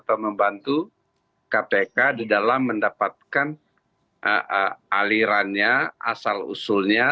atau akan bisa mempercepat atau membantu kpk di dalam mendapatkan alirannya asal usulnya